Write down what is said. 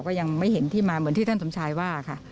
ก็ยังไม่เห็นที่มาเหมือนที่ท่านสมชายว่าค่ะ